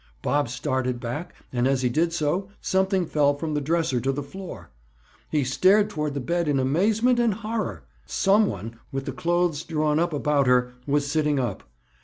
Bob started back, and as he did so, something fell from the dresser to the floor. He stared toward the bed in amazement and horror. Some one, with the clothes drawn up about her, was sitting up.